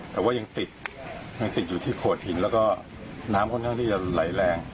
แต่ว่ายังติดยังติดอยู่ที่โขดหินแล้วก็น้ำค่อนข้างที่จะไหลแรง